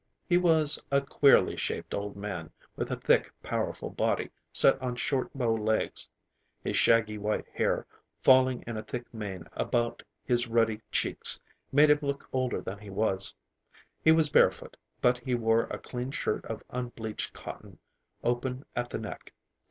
He was a queerly shaped old man, with a thick, powerful body set on short bow legs. His shaggy white hair, falling in a thick mane about his ruddy cheeks, made him look older than he was. He was barefoot, but he wore a clean shirt of unbleached cotton, open at the neck.